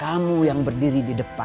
kamu yang berdiri di depan